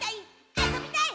あそびたい！」